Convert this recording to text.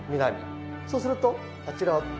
そうするとあちら。